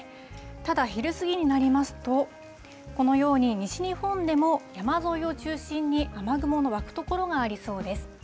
ただ、昼過ぎになりますと、このように西日本でも山沿いを中心に雨雲の湧く所がありそうです。